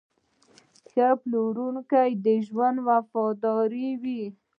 ښه پلورونکی د ژمنې وفادار وي.